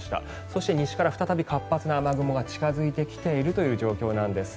そして、西から再び活発な雨雲が近付いてきている状況なんです。